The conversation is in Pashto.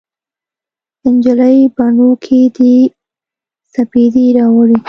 نجلۍ بڼو کې دې سپیدې راوړي